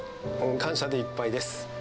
感謝でいっぱいです。